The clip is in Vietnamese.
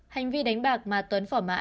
hành vi đánh bạc mà tuấn phỏ mã